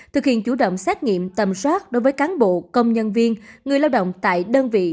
thực hiện chủ động xét nghiệm tầm soát đối với cán bộ công nhân viên người lao động tại đơn vị